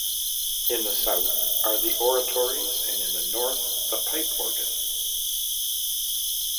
In the south are the oratories and in the north the pipe organ.